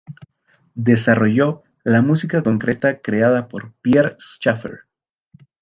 Desarrolló la música concreta creada por Pierre Schaeffer.